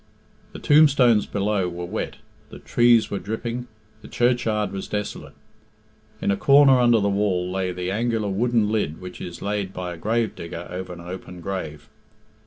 The tombstones below were wet, the treed were dripping, the churchyard was desolate. In a corner under the wall lay the angular wooden lid which is laid by a gravedigger over an open grave.